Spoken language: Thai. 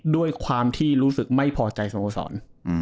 ด้วยความที่รู้สึกไม่พอใจสโมสร